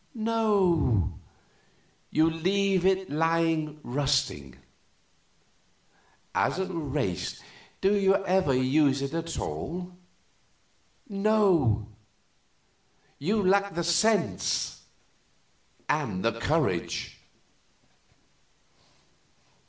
No; you leave it lying rusting. As a race, do you ever use it at all? No; you lack sense and the courage."